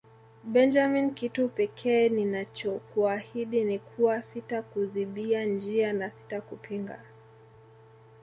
Benjamin kitu pekee ninachokuahidi ni kuwa sitakuzibia njia na sitakupinga